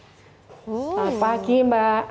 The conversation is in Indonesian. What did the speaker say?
selamat pagi mbak